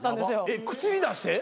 えっ口に出して？